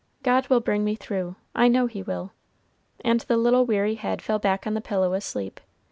God will bring me through, I know He will;" and the little weary head fell back on the pillow asleep.